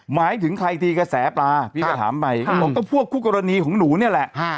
หมายถึงใครทีกระแสปลาพี่ก็ถามไปเขาบอกก็พวกคู่กรณีของหนูนี่แหละ